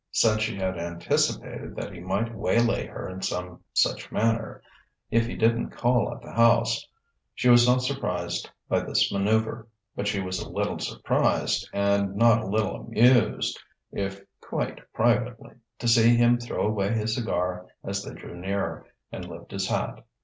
Since she had anticipated that he might waylay her in some such manner, if he didn't call at the house, she was not surprised by this manoeuvre; but she was a little surprised and not a little amused (if quite privately) to see him throw away his cigar as they drew together, and lift his hat.